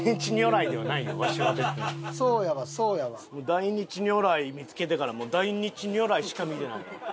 大日如来見付けてからもう大日如来しか見てないわ。